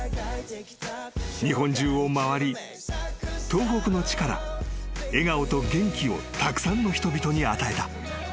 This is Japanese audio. ［日本中を回り東北の地から笑顔と元気をたくさんの人々に与えた］